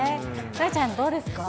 なえちゃん、どうですか。